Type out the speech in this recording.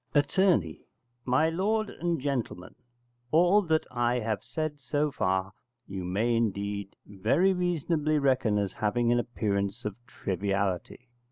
Att. My lord and gentlemen all that I have said so far you may indeed very reasonably reckon as having an appearance of triviality.